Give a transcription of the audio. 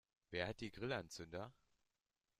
Wer hat die Grillanzünder?